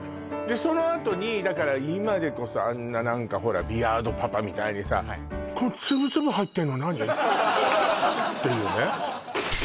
そのあとにだから今でこそあんな何かほらビアードパパみたいにさの何？っていうね